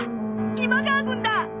今川軍だ！